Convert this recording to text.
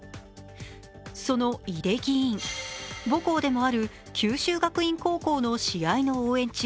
その井手議員、母校でもある九州学院高校の試合の応援中